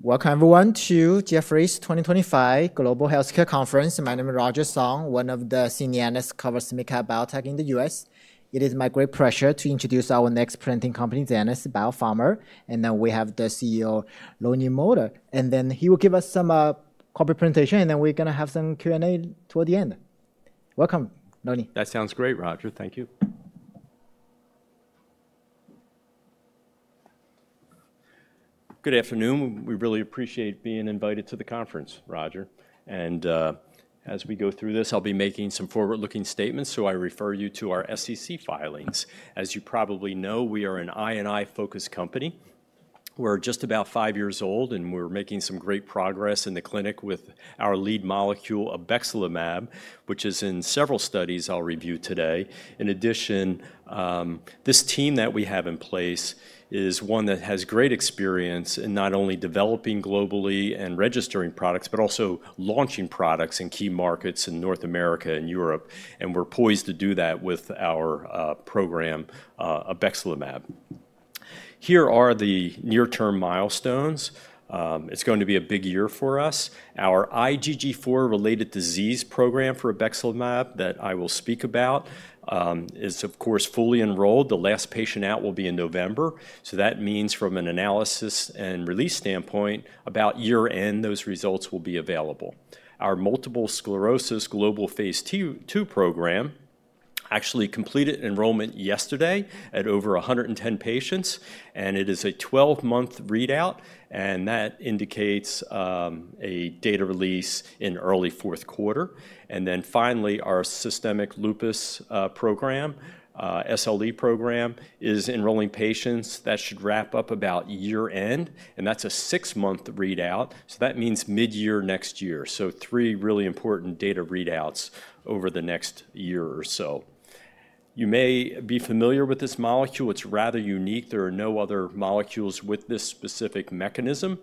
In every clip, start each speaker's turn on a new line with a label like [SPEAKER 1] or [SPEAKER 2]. [SPEAKER 1] This covers the cut out tagging in the US. It is my great pleasure to introduce our next presenting company, Zenas BioPharma. We have the CEO, Lonnie Moulder. He will give us some corporate presentation, and then we're going to have some Q&A toward the end. Welcome, Lonnie.
[SPEAKER 2] That sounds great, Roger. Thank you. Good afternoon. We really appreciate being invited to the conference, Roger. As we go through this, I'll be making some forward-looking statements. I refer you to our SEC filings. As you probably know, we are an I&I-focused company. We're just about five years old, and we're making some great progress in the clinic with our lead molecule, Obexelimab, which is in several studies I'll review today. In addition, this team that we have in place is one that has great experience in not only developing globally and registering products, but also launching products in key markets in North America and Europe. We're poised to do that with our program, Obexelimab. Here are the near-term milestones. It's going to be a big year for us. Our IgG4-related disease program for Obexelimab that I will speak about is, of course, fully enrolled. The last patient out will be in November. That means from an analysis and release standpoint, about year-end, those results will be available. Our multiple sclerosis global phase two program actually completed enrollment yesterday at over 110 patients. It is a 12-month readout, and that indicates a data release in early fourth quarter. Finally, our systemic lupus program, SLE program, is enrolling patients. That should wrap up about year-end. That is a six-month readout. That means mid-year next year. Three really important data readouts over the next year or so. You may be familiar with this molecule. It is rather unique. There are no other molecules with this specific mechanism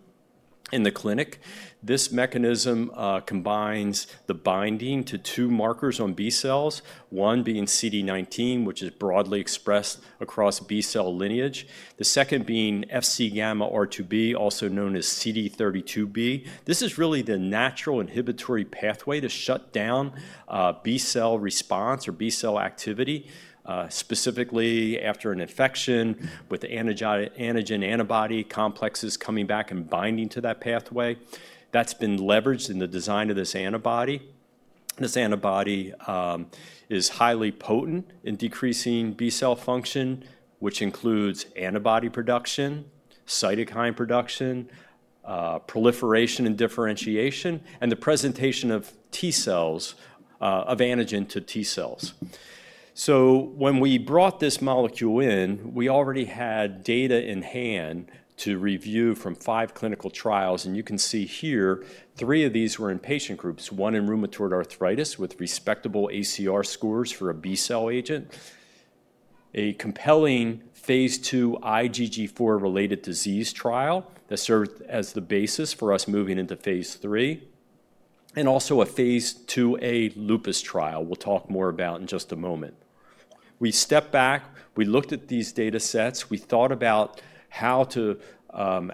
[SPEAKER 2] in the clinic. This mechanism combines the binding to two markers on B cells, one being CD19, which is broadly expressed across B cell lineage, the second being FC gamma R2b, also known as CD32b. This is really the natural inhibitory pathway to shut down B cell response or B cell activity, specifically after an infection with antigen-antibody complexes coming back and binding to that pathway. That's been leveraged in the design of this antibody. This antibody is highly potent in decreasing B cell function, which includes antibody production, cytokine production, proliferation and differentiation, and the presentation of antigen to T cells. When we brought this molecule in, we already had data in hand to review from five clinical trials. You can see here, three of these were in patient groups, one in rheumatoid arthritis with respectable ACR scores for a B cell agent, a compelling phase two IgG4-related disease trial that served as the basis for us moving into phase three, and also a phase two A lupus trial we'll talk more about in just a moment. We stepped back. We looked at these data sets. We thought about how to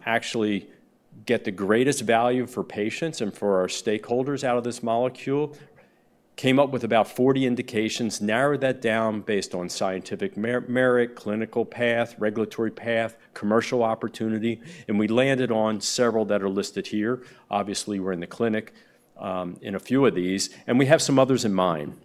[SPEAKER 2] actually get the greatest value for patients and for our stakeholders out of this molecule. Came up with about 40 indications, narrowed that down based on scientific merit, clinical path, regulatory path, commercial opportunity. We landed on several that are listed here. Obviously, we're in the clinic in a few of these, and we have some others in mind.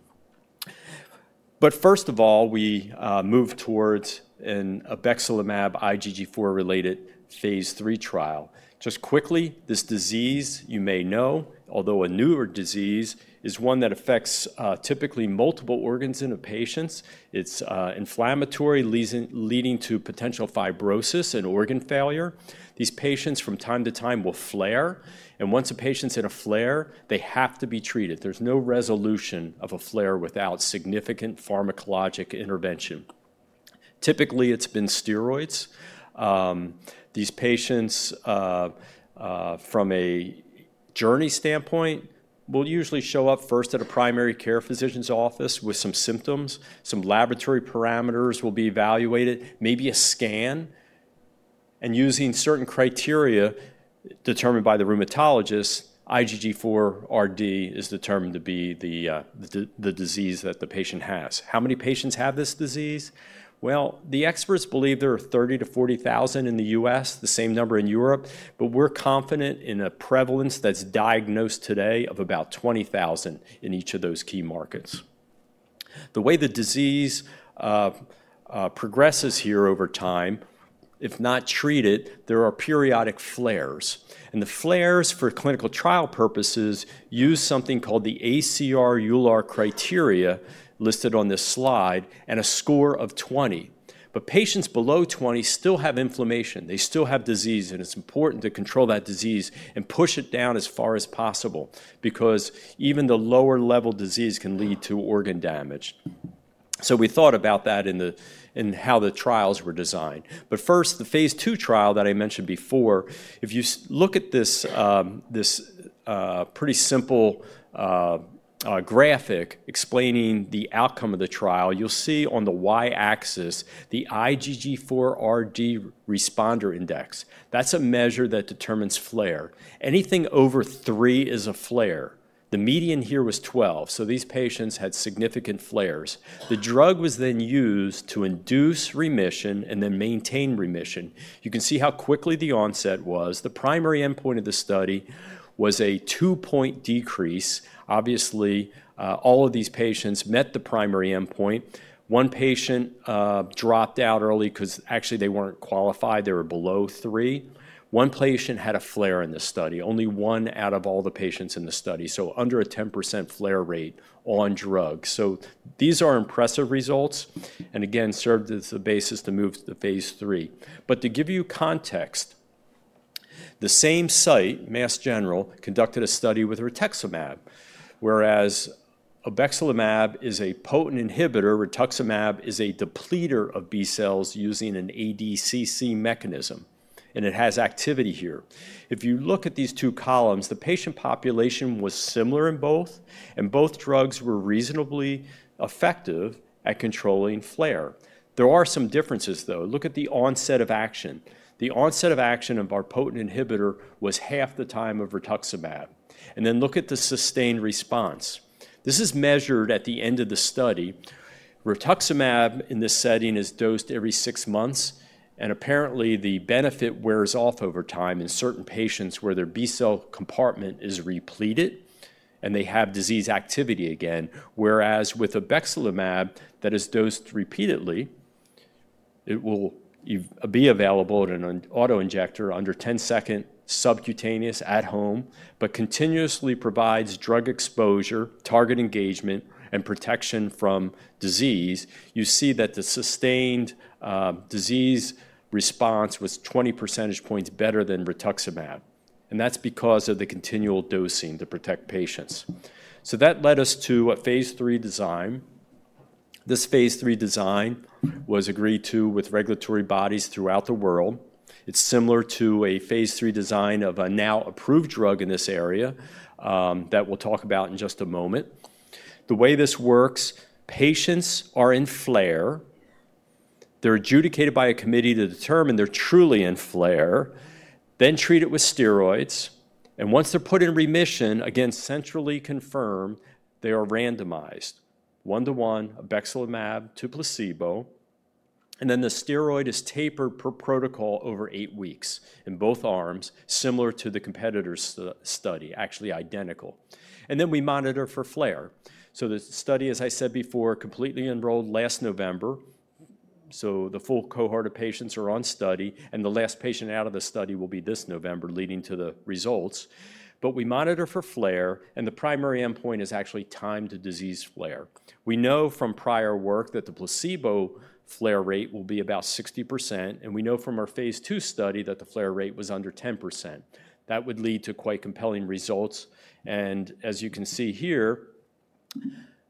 [SPEAKER 2] First of all, we moved towards an Obecsilamab IgG4-related phase three trial. Just quickly, this disease, you may know, although a newer disease, is one that affects typically multiple organs in patients. It's inflammatory, leading to potential fibrosis and organ failure. These patients from time to time will flare. Once a patient's in a flare, they have to be treated. There's no resolution of a flare without significant pharmacologic intervention. Typically, it's been steroids. These patients, from a journey standpoint, will usually show up first at a primary care physician's office with some symptoms. Some laboratory parameters will be evaluated, maybe a scan. Using certain criteria determined by the rheumatologist, IgG4Rd is determined to be the disease that the patient has. How many patients have this disease? The experts believe there are 30,000-40,000 in the U.S., the same number in Europe. We are confident in a prevalence that is diagnosed today of about 20,000 in each of those key markets. The way the disease progresses here over time, if not treated, there are periodic flares. The flares, for clinical trial purposes, use something called the ACR-ULR criteria listed on this slide and a score of 20. Patients below 20 still have inflammation. They still have disease. It's important to control that disease and push it down as far as possible because even the lower level disease can lead to organ damage. We thought about that in how the trials were designed. First, the phase two trial that I mentioned before, if you look at this pretty simple graphic explaining the outcome of the trial, you'll see on the y-axis the IgG4Rd responder index. That's a measure that determines flare. Anything over three is a flare. The median here was 12. These patients had significant flares. The drug was then used to induce remission and then maintain remission. You can see how quickly the onset was. The primary endpoint of the study was a two-point decrease. Obviously, all of these patients met the primary endpoint. One patient dropped out early because actually they weren't qualified. They were below three. One patient had a flare in the study, only one out of all the patients in the study. Under a 10% flare rate on drug. These are impressive results and again, served as the basis to move to phase three. To give you context, the same site, Massachusetts General Hospital, conducted a study with Rituximab, whereas Obexelimab is a potent inhibitor. Rituximab is a depleter of B cells using an ADCC mechanism. It has activity here. If you look at these two columns, the patient population was similar in both, and both drugs were reasonably effective at controlling flare. There are some differences, though. Look at the onset of action. The onset of action of our potent inhibitor was half the time of Rituximab. Look at the sustained response. This is measured at the end of the study. Rituximab in this setting is dosed every six months. Apparently, the benefit wears off over time in certain patients where their B cell compartment is repleted and they have disease activity again. Whereas with Obecsilamab that is dosed repeatedly, it will be available in an autoinjector under 10-second subcutaneous at home, but continuously provides drug exposure, target engagement, and protection from disease. You see that the sustained disease response was 20 percentage points better than Rituximab. That is because of the continual dosing to protect patients. That led us to a phase three design. This phase three design was agreed to with regulatory bodies throughout the world. It is similar to a phase three design of a now-approved drug in this area that we will talk about in just a moment. The way this works, patients are in flare. They're adjudicated by a committee to determine they're truly in flare, then treated with steroids. Once they're put in remission, again, centrally confirmed, they are randomized one-to-one, Obexelimab to placebo. The steroid is tapered per protocol over eight weeks in both arms, similar to the competitor's study, actually identical. We monitor for flare. The study, as I said before, completely enrolled last November. The full cohort of patients are on study. The last patient out of the study will be this November, leading to the results. We monitor for flare. The primary endpoint is actually time to disease flare. We know from prior work that the placebo flare rate will be about 60%. We know from our phase two study that the flare rate was under 10%. That would lead to quite compelling results. As you can see here,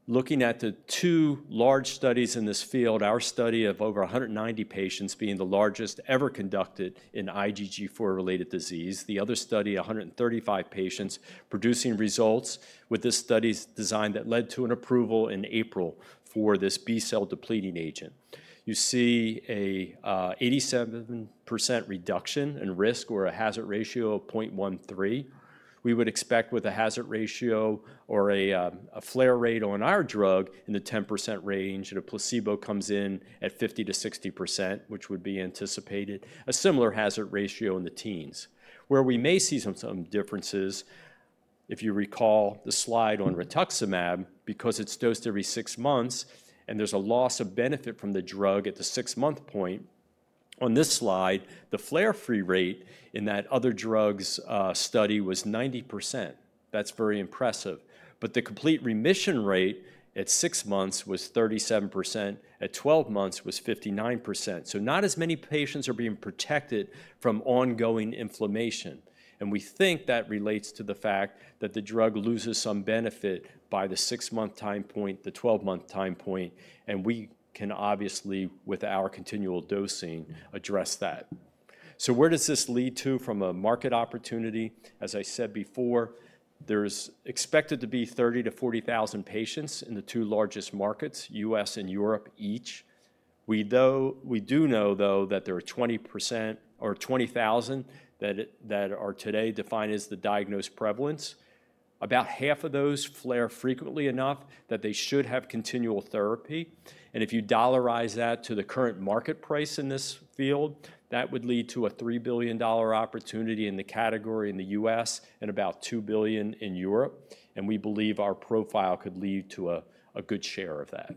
[SPEAKER 2] looking at the two large studies in this field, our study of over 190 patients being the largest ever conducted in IgG4-related disease, the other study, 135 patients producing results with this study's design that led to an approval in April for this B cell depleting agent. You see an 87% reduction in risk or a hazard ratio of 0.13. We would expect with a hazard ratio or a flare rate on our drug in the 10% range and a placebo comes in at 50-60%, which would be anticipated, a similar hazard ratio in the teens. Where we may see some differences, if you recall the slide on Rituximab, because it's dosed every six months and there's a loss of benefit from the drug at the six-month point. On this slide, the flare-free rate in that other drug's study was 90%. That's very impressive. The complete remission rate at six months was 37%. At 12 months, it was 59%. Not as many patients are being protected from ongoing inflammation. We think that relates to the fact that the drug loses some benefit by the six-month time point, the 12-month time point. We can obviously, with our continual dosing, address that. Where does this lead to from a market opportunity? As I said before, there's expected to be 30,000-40,000 patients in the two largest markets, U.S. and Europe each. We do know, though, that there are 20,000 that are today defined as the diagnosed prevalence. About half of those flare frequently enough that they should have continual therapy. If you dollarize that to the current market price in this field, that would lead to a $3 billion opportunity in the category in the US and about $2 billion in Europe. We believe our profile could lead to a good share of that.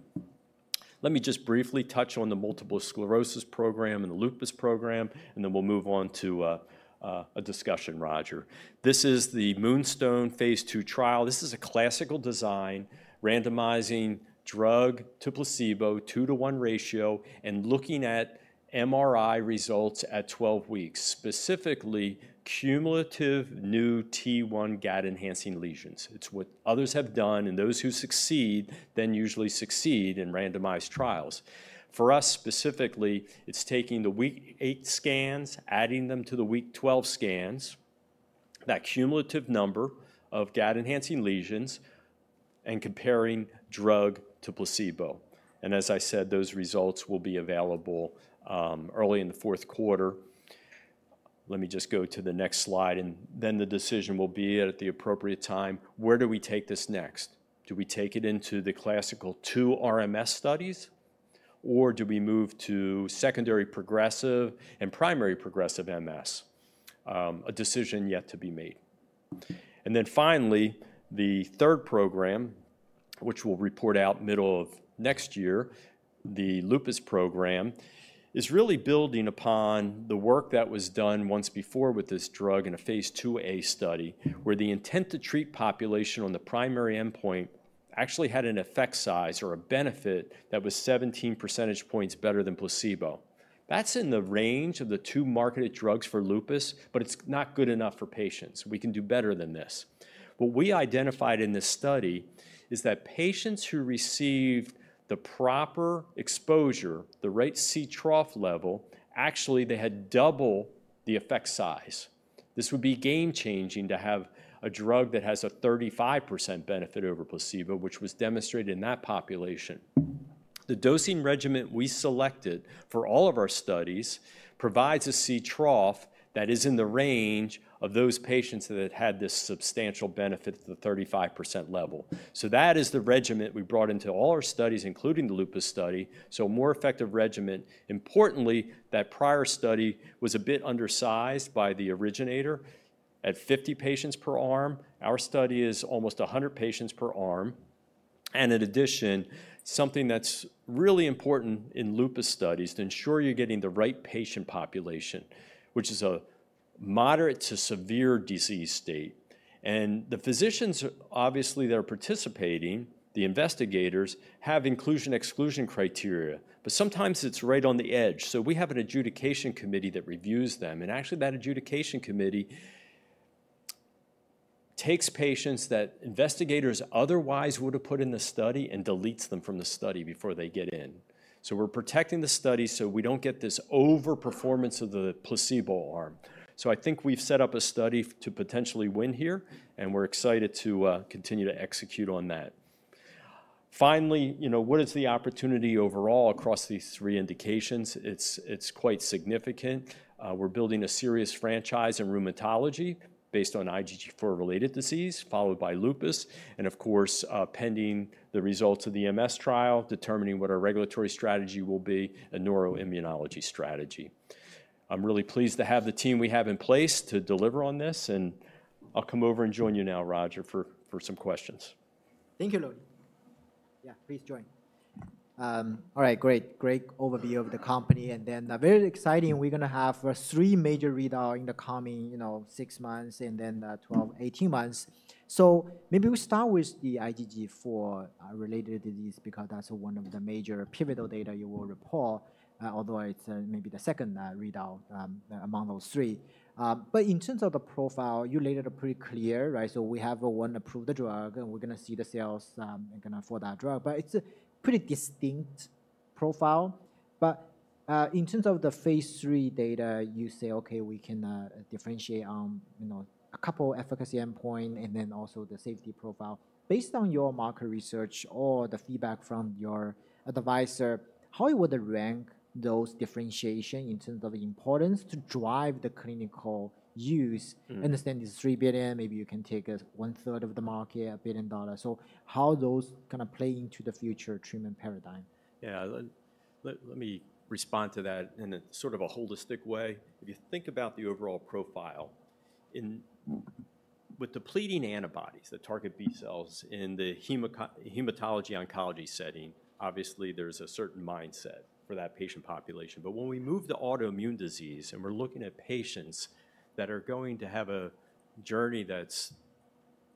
[SPEAKER 2] Let me just briefly touch on the multiple sclerosis program and the lupus program, and then we'll move on to a discussion, Roger. This is the Moonstone phase two trial. This is a classical design, randomizing drug to placebo, two-to-one ratio, and looking at MRI results at 12 weeks, specifically cumulative new T1 GAD-enhancing lesions. It's what others have done. Those who succeed then usually succeed in randomized trials. For us specifically, it's taking the week eight scans, adding them to the week 12 scans, that cumulative number of GAD-enhancing lesions, and comparing drug to placebo. As I said, those results will be available early in the fourth quarter. Let me just go to the next slide. The decision will be at the appropriate time, where do we take this next? Do we take it into the classical two RMS studies, or do we move to secondary progressive and primary progressive MS? A decision yet to be made. Finally, the third program, which we'll report out middle of next year, the lupus program, is really building upon the work that was done once before with this drug in a phase two A study where the intent to treat population on the primary endpoint actually had an effect size or a benefit that was 17 percentage points better than placebo. That's in the range of the two marketed drugs for lupus, but it's not good enough for patients. We can do better than this. What we identified in this study is that patients who received the proper exposure, the right CTROF level, actually they had double the effect size. This would be game-changing to have a drug that has a 35% benefit over placebo, which was demonstrated in that population. The dosing regimen we selected for all of our studies provides a CTROF that is in the range of those patients that had this substantial benefit at the 35% level. That is the regimen we brought into all our studies, including the lupus study. A more effective regimen. Importantly, that prior study was a bit undersized by the originator at 50 patients per arm. Our study is almost 100 patients per arm. In addition, something that's really important in lupus studies to ensure you're getting the right patient population, which is a moderate to severe disease state. The physicians, obviously, that are participating, the investigators, have inclusion-exclusion criteria. Sometimes it's right on the edge. We have an adjudication committee that reviews them. Actually, that adjudication committee takes patients that investigators otherwise would have put in the study and deletes them from the study before they get in. We're protecting the study so we don't get this overperformance of the placebo arm. I think we've set up a study to potentially win here. We're excited to continue to execute on that. Finally, what is the opportunity overall across these three indications? It's quite significant. We're building a serious franchise in rheumatology based on IgG4-related disease, followed by lupus. Of course, pending the results of the MS trial, determining what our regulatory strategy will be and neuroimmunology strategy. I'm really pleased to have the team we have in place to deliver on this. I'll come over and join you now, Roger, for some questions.
[SPEAKER 1] Thank you, Lonnie. Yeah, please join. All right, great. Great overview of the company. Very exciting. We're going to have three major readouts in the coming six months and then 12, 18 months. Maybe we start with the IgG4-related disease because that's one of the major pivotal data you will report, although it's maybe the second readout among those three. In terms of the profile, you laid it pretty clear, right? We have one approved drug, and we're going to see the sales for that drug. It's a pretty distinct profile. In terms of the phase three data, you say, "Okay, we can differentiate on a couple of efficacy endpoints and then also the safety profile." Based on your market research or the feedback from your advisor, how would you rank those differentiations in terms of importance to drive the clinical use? Understand it's $3 billion. Maybe you can take one-third of the market, $1 billion. How do those kind of play into the future treatment paradigm?
[SPEAKER 2] Yeah, let me respond to that in a sort of a holistic way. If you think about the overall profile, with depleting antibodies that target B cells in the hematology-oncology setting, obviously, there's a certain mindset for that patient population. But when we move to autoimmune disease and we're looking at patients that are going to have a journey that's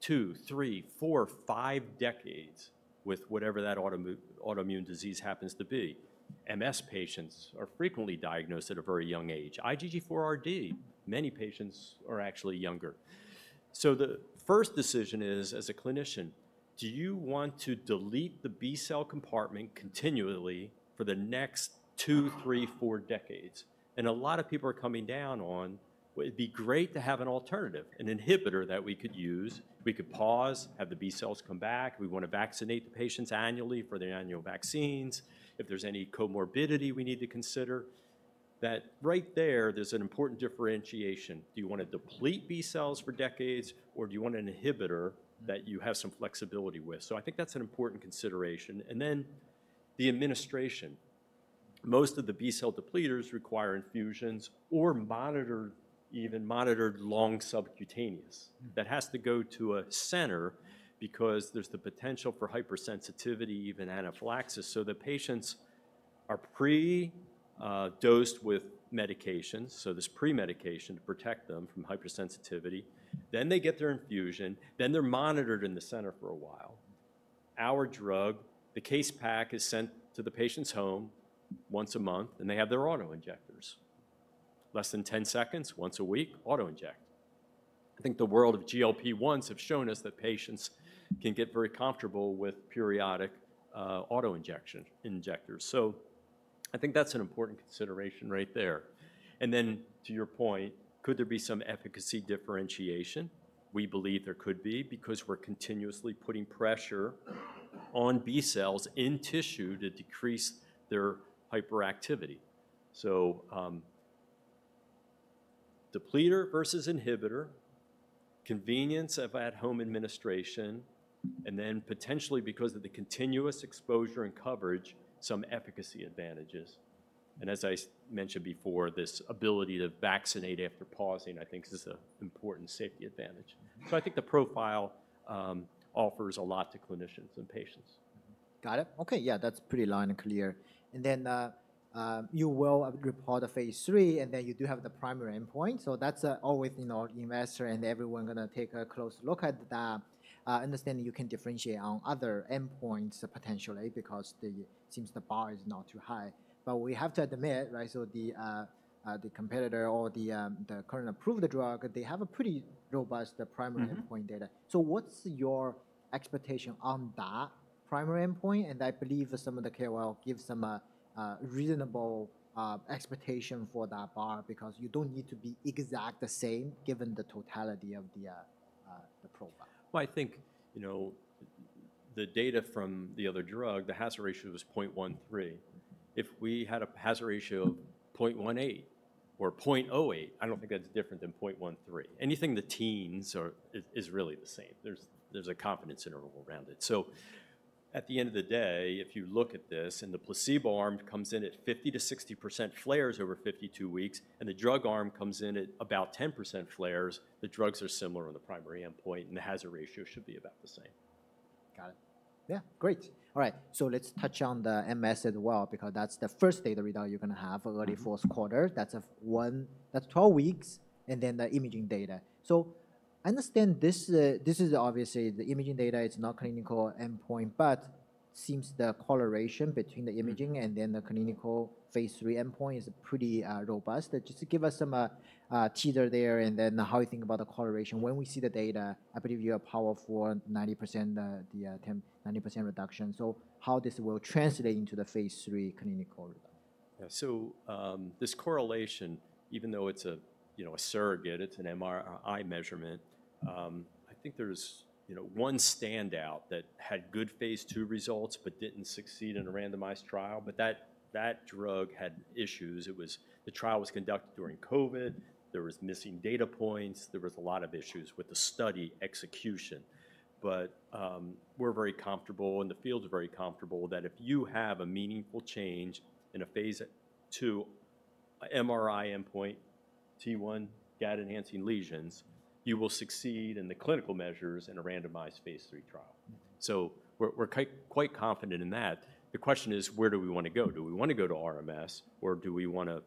[SPEAKER 2] two, three, four, five decades with whatever that autoimmune disease happens to be, MS patients are frequently diagnosed at a very young age. IgG4-related disease, many patients are actually younger. The first decision is, as a clinician, do you want to delete the B cell compartment continually for the next two, three, four decades? A lot of people are coming down on, "Well, it'd be great to have an alternative, an inhibitor that we could use. We could pause, have the B cells come back. We want to vaccinate the patients annually for their annual vaccines. If there's any comorbidity we need to consider. That right there, there's an important differentiation. Do you want to deplete B cells for decades, or do you want an inhibitor that you have some flexibility with? I think that's an important consideration. The administration. Most of the B cell depleters require infusions or even monitored long subcutaneous. That has to go to a center because there's the potential for hypersensitivity, even anaphylaxis. The patients are predosed with medications, this pre-medication to protect them from hypersensitivity. They get their infusion. They're monitored in the center for a while. Our drug, the case pack, is sent to the patient's home once a month, and they have their autoinjectors. Less than 10 seconds, once a week, autoinject. I think the world of GLP-1s have shown us that patients can get very comfortable with periodic autoinjectors. I think that's an important consideration right there. To your point, could there be some efficacy differentiation? We believe there could be because we're continuously putting pressure on B cells in tissue to decrease their hyperactivity. Depleter versus inhibitor, convenience of at-home administration, and then potentially, because of the continuous exposure and coverage, some efficacy advantages. As I mentioned before, this ability to vaccinate after pausing, I think, is an important safety advantage. I think the profile offers a lot to clinicians and patients.
[SPEAKER 1] Got it. Okay. Yeah, that's pretty line and clear. Then you will report a phase three, and then you do have the primary endpoint. That's always investors and everyone going to take a close look at that, understanding you can differentiate on other endpoints potentially because it seems the bar is not too high. We have to admit, right, the competitor or the current approved drug, they have a pretty robust primary endpoint data. What's your expectation on that primary endpoint? I believe some of the KOL give some reasonable expectation for that bar because you don't need to be exact the same given the totality of the profile.
[SPEAKER 2] I think the data from the other drug, the hazard ratio was 0.13. If we had a hazard ratio of 0.18 or 0.08, I don't think that's different than 0.13. Anything in the teens is really the same. There's a confidence interval around it. At the end of the day, if you look at this and the placebo arm comes in at 50-60% flares over 52 weeks, and the drug arm comes in at about 10% flares, the drugs are similar on the primary endpoint, and the hazard ratio should be about the same.
[SPEAKER 1] Got it. Yeah, great. All right. Let's touch on the MS as well because that's the first data readout you're going to have early fourth quarter. That's 12 weeks, and then the imaging data. I understand this is obviously the imaging data. It's not clinical endpoint, but it seems the coloration between the imaging and then the clinical phase three endpoint is pretty robust. Just give us some teaser there and then how you think about the coloration. When we see the data, I believe you have powerful 90% reduction. How this will translate into the phase three clinical readout?
[SPEAKER 2] Yeah, so this correlation, even though it's a surrogate, it's an MRI measurement, I think there's one standout that had good phase two results but didn't succeed in a randomized trial. That drug had issues. The trial was conducted during COVID. There were missing data points. There were a lot of issues with the study execution. We're very comfortable, and the field is very comfortable that if you have a meaningful change in a phase two MRI endpoint, T1 GAD-enhancing lesions, you will succeed in the clinical measures in a randomized phase three trial. We're quite confident in that. The question is, where do we want to go? Do we want to go to RMS, or do we want to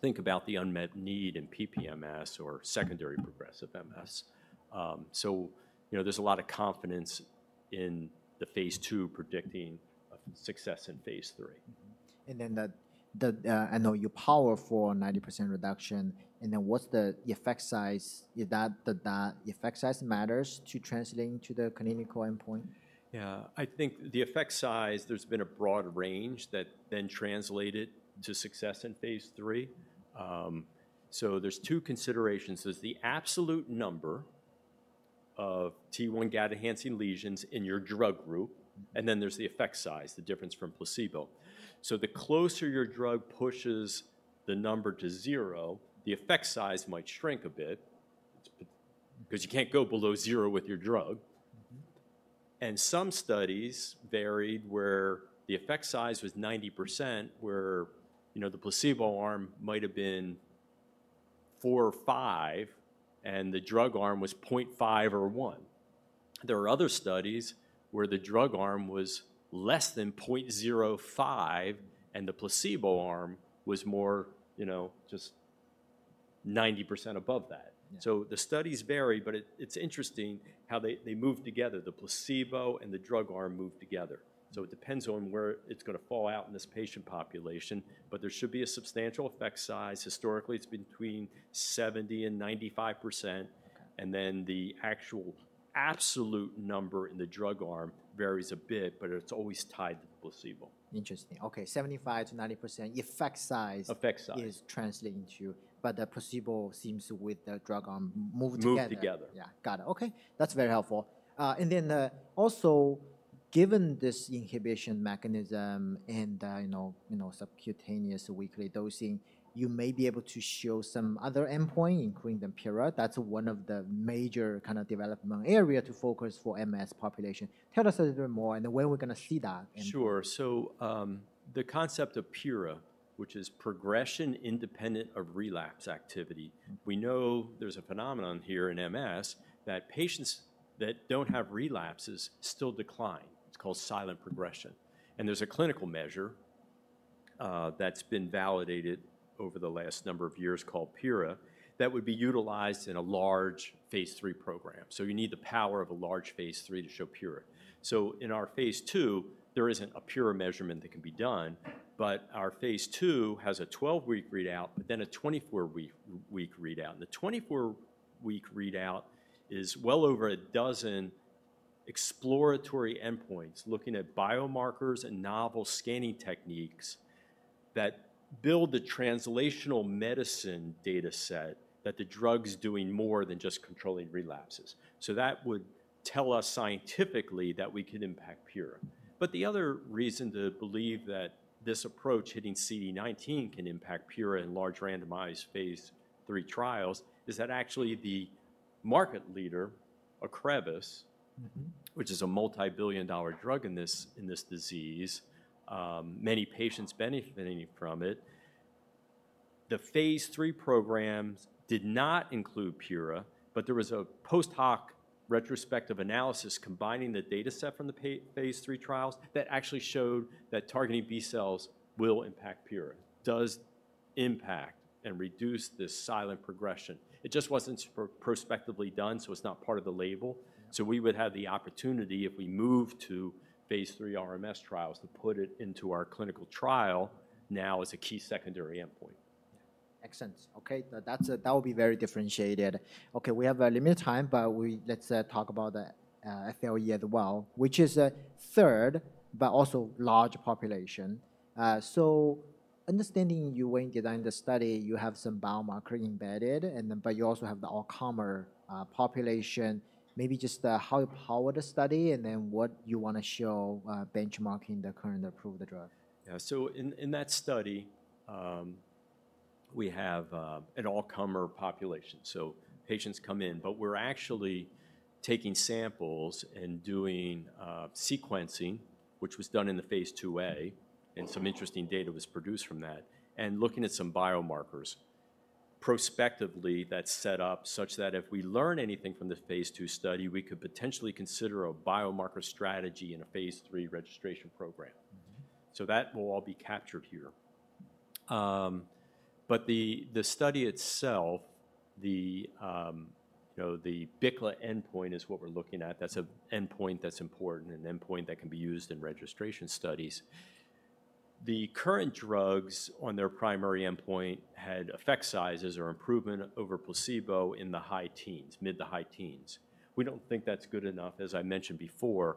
[SPEAKER 2] think about the unmet need in PPMS or secondary progressive MS? There's a lot of confidence in the phase two predicting success in phase three.
[SPEAKER 1] I know your powerful 90% reduction. What's the effect size? Is that effect size matters to translate into the clinical endpoint?
[SPEAKER 2] Yeah, I think the effect size, there's been a broad range that then translated to success in phase three. There are two considerations. There's the absolute number of T1 GAD-enhancing lesions in your drug group, and then there's the effect size, the difference from placebo. The closer your drug pushes the number to zero, the effect size might shrink a bit because you can't go below zero with your drug. Some studies varied where the effect size was 90%, where the placebo arm might have been four or five, and the drug arm was 0.5 or 1. There are other studies where the drug arm was less than 0.05, and the placebo arm was more just 90% above that. The studies vary, but it's interesting how they move together. The placebo and the drug arm move together. It depends on where it's going to fall out in this patient population, but there should be a substantial effect size. Historically, it's between 70-95%. And then the actual absolute number in the drug arm varies a bit, but it's always tied to the placebo.
[SPEAKER 1] Interesting. Okay, 75%-90% effect size is translated into. But the placebo seems with the drug arm move together.
[SPEAKER 2] Move together.
[SPEAKER 1] Yeah, got it. Okay, that's very helpful. Also, given this inhibition mechanism and subcutaneous weekly dosing, you may be able to show some other endpoint, including the PIRA. That's one of the major kind of development areas to focus for MS population. Tell us a little bit more and when we're going to see that.
[SPEAKER 2] Sure. The concept of PIRA, which is progression independent of relapse activity, we know there's a phenomenon here in MS that patients that don't have relapses still decline. It's called silent progression. There's a clinical measure that's been validated over the last number of years called PIRA that would be utilized in a large phase three program. You need the power of a large phase three to show PIRA. In our phase two, there isn't a PIRA measurement that can be done, but our phase two has a 12-week readout, but then a 24-week readout. The 24-week readout is well over a dozen exploratory endpoints looking at biomarkers and novel scanning techniques that build the translational medicine data set that the drug's doing more than just controlling relapses. That would tell us scientifically that we can impact PIRA. The other reason to believe that this approach hitting CD19 can impact PIRA in large randomized phase three trials is that actually the market leader, Ocrevus, which is a multi-billion dollar drug in this disease, many patients benefiting from it. The phase three programs did not include PIRA, but there was a post-hoc retrospective analysis combining the data set from the phase three trials that actually showed that targeting B cells will impact PIRA. Does impact and reduce this silent progression. It just was not prospectively done, so it is not part of the label. We would have the opportunity, if we move to phase three RMS trials, to put it into our clinical trial now as a key secondary endpoint.
[SPEAKER 1] Excellent. Okay, that will be very differentiated. Okay, we have limited time, but let's talk about FLE as well, which is a third, but also large population. So understanding you when you designed the study, you have some biomarker embedded, but you also have the all-common population. Maybe just how you power the study and then what you want to show benchmarking the current approved drug.
[SPEAKER 2] Yeah, so in that study, we have an all-common population. So patients come in, but we're actually taking samples and doing sequencing, which was done in the phase two A, and some interesting data was produced from that, and looking at some biomarkers. Prospectively, that's set up such that if we learn anything from the phase two study, we could potentially consider a biomarker strategy in a phase three registration program. That will all be captured here. The study itself, the BICLA endpoint is what we're looking at. That's an endpoint that's important, an endpoint that can be used in registration studies. The current drugs on their primary endpoint had effect sizes or improvement over placebo in the high teens, mid to high teens. We don't think that's good enough, as I mentioned before.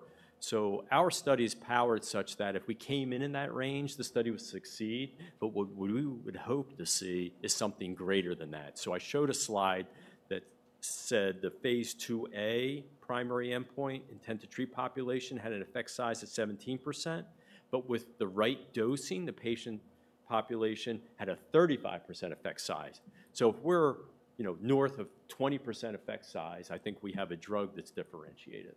[SPEAKER 2] Our study is powered such that if we came in in that range, the study would succeed. What we would hope to see is something greater than that. I showed a slide that said the phase 2a primary endpoint intent to treat population had an effect size of 17%, but with the right dosing, the patient population had a 35% effect size. If we are north of 20% effect size, I think we have a drug that is differentiated.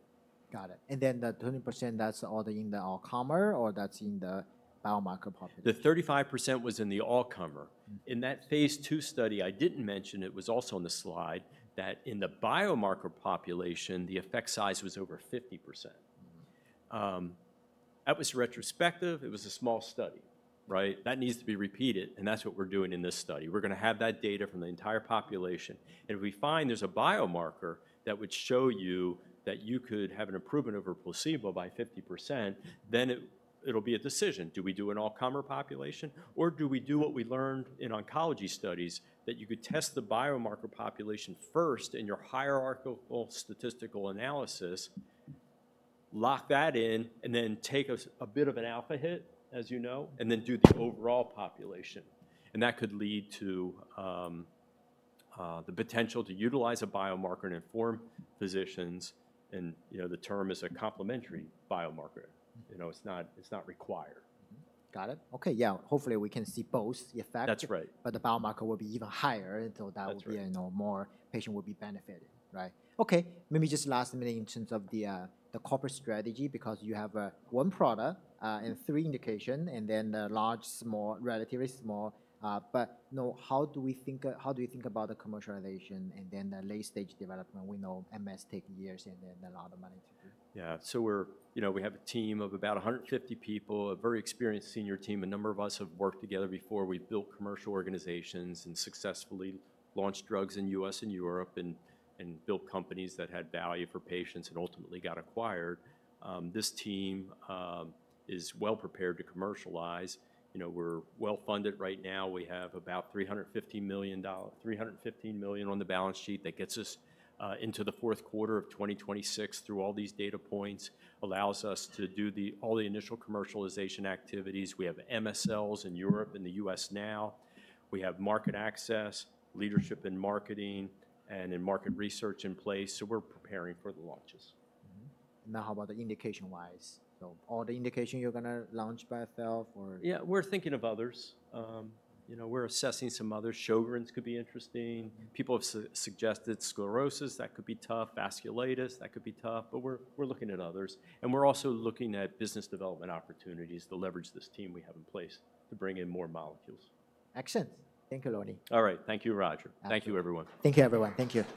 [SPEAKER 1] Got it. And then the 20%, that's all in the all-common or that's in the biomarker population?
[SPEAKER 2] The 35% was in the all-common. In that phase two study, I didn't mention it was also in the slide that in the biomarker population, the effect size was over 50%. That was retrospective. It was a small study, right? That needs to be repeated, and that's what we're doing in this study. We're going to have that data from the entire population. If we find there's a biomarker that would show you that you could have an improvement over placebo by 50%, then it'll be a decision. Do we do an all-common population or do we do what we learned in oncology studies that you could test the biomarker population first in your hierarchical statistical analysis, lock that in, and then take a bit of an alpha hit, as you know, and then do the overall population? That could lead to the potential to utilize a biomarker and inform physicians. The term is a complementary biomarker. It's not required.
[SPEAKER 1] Got it. Okay. Yeah, hopefully we can see both effects.
[SPEAKER 2] That's right.
[SPEAKER 1] The biomarker will be even higher and so that would be more patient would be benefiting, right? Okay, maybe just last minute in terms of the corporate strategy because you have one product and three indications and then large, small, relatively small. How do we think about the commercialization and then the late-stage development? We know MS takes years and then a lot of money to do.
[SPEAKER 2] Yeah, so we have a team of about 150 people, a very experienced senior team. A number of us have worked together before. We've built commercial organizations and successfully launched drugs in the U.S. and Europe and built companies that had value for patients and ultimately got acquired. This team is well prepared to commercialize. We're well funded right now. We have about $315 million on the balance sheet that gets us into the fourth quarter of 2026 through all these data points, allows us to do all the initial commercialization activities. We have MSLs in Europe and the U.S. now. We have market access, leadership in marketing, and in market research in place. We're preparing for the launches.
[SPEAKER 1] Now, how about the indication-wise? So all the indication you're going to launch by itself or?
[SPEAKER 2] Yeah, we're thinking of others. We're assessing some others. Sjogren's could be interesting. People have suggested sclerosis. That could be tough. Vasculitis, that could be tough. We're looking at others. We're also looking at business development opportunities to leverage this team we have in place to bring in more molecules.
[SPEAKER 1] Excellent. Thank you, Lonnie.
[SPEAKER 2] All right. Thank you, Roger. Thank you, everyone.
[SPEAKER 1] Thank you, everyone. Thank you.